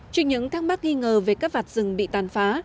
trên những thắc mắc nghi ngờ về các vặt rừng bị tàn phá